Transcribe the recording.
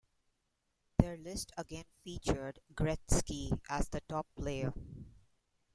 Their list again featured Gretzky as the top player.